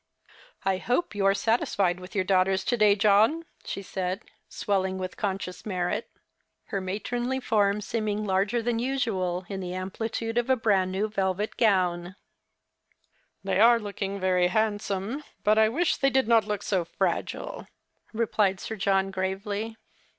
" I hope you are satisfied with your daughters to day, John," she said, swelling with conscious merit, her matronly form seeming larger than usual in the amplitude of a brand new velvet gown. The Christmas Hirelings. 73 " They are looking very handsome ; but I wish they did not look so fragile," replied Sir John, gravely.